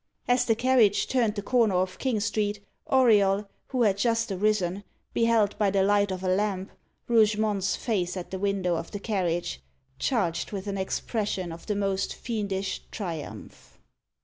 As the carriage turned the corner of King Street, Auriol, who had just arisen, beheld, by the light of a lamp, Rougemont's face at the window of the carriage, charged with an expression of the most fiendish triumph.